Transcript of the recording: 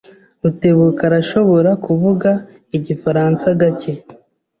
Rutebuka arashobora kuvuga igifaransa gake.